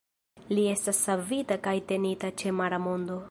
Li estas savita kaj tenita ĉe Mara Mondo.